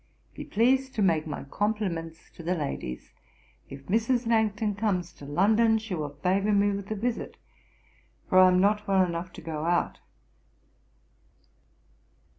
'Be pleased to make my compliments to the ladies. If Mrs. Langton comes to London, she will favour me with a visit, for I am not well enough to go out.'